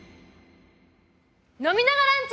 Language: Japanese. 飲みながランチ！